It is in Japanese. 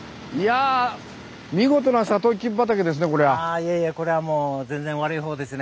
あいやいやこれはもう全然悪い方ですね。